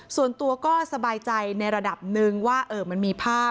ส่วนตัวก็สบายใจในระดับหนึ่งว่ามันมีภาพ